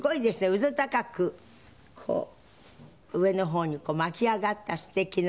うずたかくこう上の方に巻き上がった素敵な。